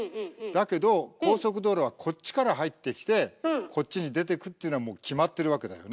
だけど高速道路はこっちから入ってきてこっちに出てくっていうのはもう決まってるわけだよね。